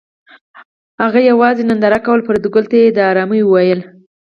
هغه یوازې ننداره کوله او فریدګل ته یې د ارامۍ وویل